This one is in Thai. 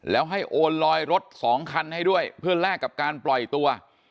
แล้วให้โอนลอยรถสองคันให้ด้วยเพื่อแลกกับการปล่อยตัว